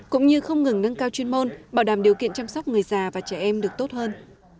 cũng như không ngừng nâng cao chuyên môn bảo đảm điều kiện chăm sóc người già và trẻ em được tốt hơn